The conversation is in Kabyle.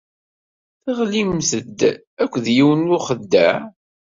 Teɣlimt-d akked yiwen n uxeddaɛ.